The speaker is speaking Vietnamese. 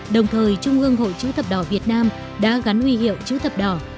đồng thời trung ương hội chữ thập đỏ việt nam đã gắn huy hiệu chữ thập đỏ